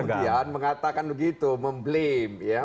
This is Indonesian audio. kemudian mengatakan begitu memblame